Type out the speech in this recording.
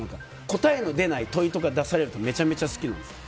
答えの出ない問いとか出されるのめちゃめちゃ好きなんです。